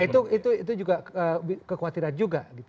itu juga kekhawatiran juga